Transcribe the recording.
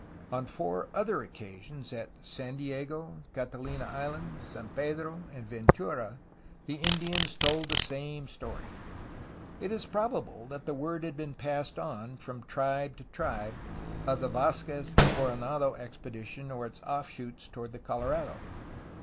On four other occasions, at San Diego, Catalina Island, San Pedro, and Ventura, the Indians told the same story. It is probable that the word had been passed on, from tribe to tribe, of the Vdzquez de Coronado expedition or its offshoots toward the Colorado.